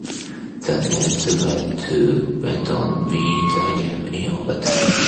The Nets went on to win the game in overtime.